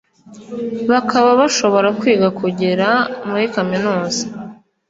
bakaba bashobora kwiga kugera muri kaminuza